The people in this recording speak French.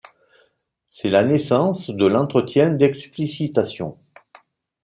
C'est la naissance de l'entretien d'explicitation.